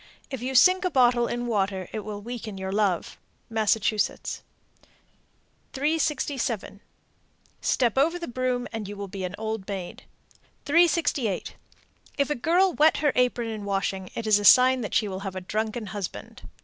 If you sink a bottle in water, it will weaken your love. Massachusetts. 367. Step over the broom, and you will be an old maid. 368. If a girl wet her apron in washing, it is a sign that she will have a drunken husband.